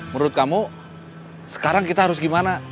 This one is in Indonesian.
menurut kamu sekarang kita harus gimana